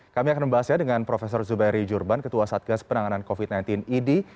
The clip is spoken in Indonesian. kami akan membahasnya dengan prof zubairi jurban ketua satgas penanganan covid sembilan belas idi